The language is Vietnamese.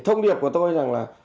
thông điệp của tôi rằng là